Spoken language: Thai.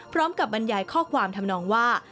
พร้อมกับบรรยายข้อความทำนองว่า